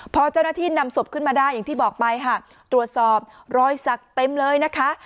พอเจ้าหน้าที่นำศพขึ้นมาได้อย่างที่บอกไปค่ะตรวจสอบรอยสักเต็มเลยนะคะ